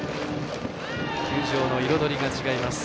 球場の彩りが違います。